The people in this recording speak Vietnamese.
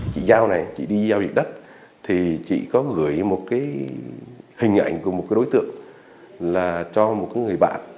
chị giao này chị đi giao dịch đất thì chị có gửi một hình ảnh của một đối tượng cho một người bạn